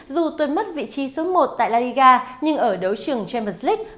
dù tuyên mất vị trí số một tại la liga nhưng ở đấu trường champions league